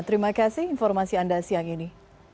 terima kasih informasi anda siang ini